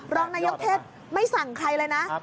รองนายกเทศไม่สั่งใครเลยนะ